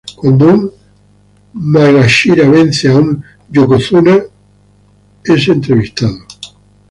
Cuando un "maegashira" vence a un "yokozuna" es entrevistado.